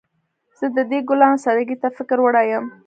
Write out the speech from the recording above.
زه د دې ګلانو سادګۍ ته فکر وړی یم